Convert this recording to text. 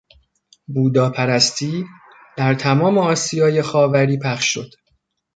بوداپرستی در تمام آسیای خاوری پخش شد.